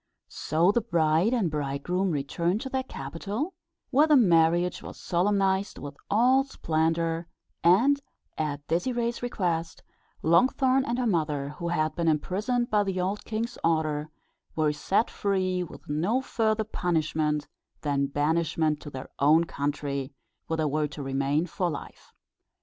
So the bride and bridegroom returned to their capital, where the marriage was solemnized with all splendour, and, at Désirée's request, Longthorn and her mother, who had been imprisoned by the old king's order, were set free, with no further punishment than banishment to their own country, where they were to remain for life.